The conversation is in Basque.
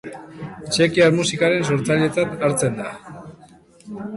Txekiar musikaren sortzailetzat hartzen da.